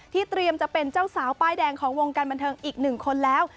เตรียมจะเป็นเจ้าสาวป้ายแดงของวงการบันเทิงอีกหนึ่งคนแล้ว